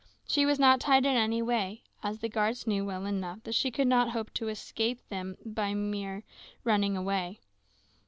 She was not tied in any way, as the guards knew well enough that she could not hope to escape them by mere running way.